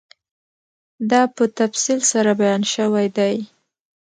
دا په تفصیل سره بیان شوی دی